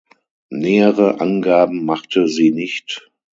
Nähere Angaben machte sie nicht.